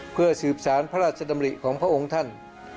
เพื่อสืบสารพระราชดำริของพระองค์ท่าน